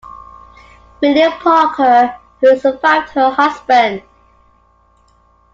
William Parker, who survived her husband.